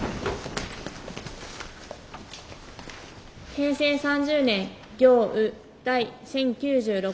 平成３０年行ウ第１０９６号。